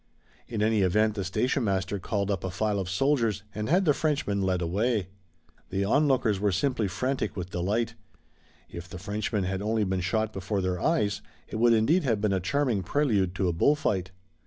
In any event, the station master called up a file of soldiers and had the Frenchman led away. The on lookers were simply frantic with delight. If the Frenchman had only been shot before their eyes it would indeed have been a charming prelude to a bull fight."